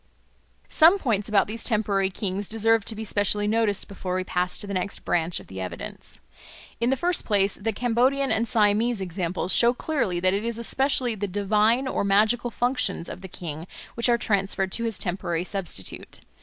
Some points about these temporary kings deserve to be specially noticed before we pass to the next branch of the evidence. In the first place, the Cambodian and Siamese examples show clearly that it is especially the divine or magical functions of the king which are transferred to his temporary substitute.